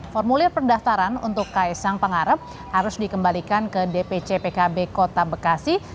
formulir pendaftaran untuk ks sang pangarep harus dikembalikan ke dpjpkb kota bekasi